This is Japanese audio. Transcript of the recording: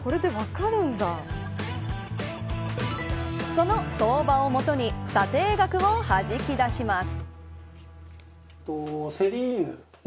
その相場を基に査定額をはじき出します。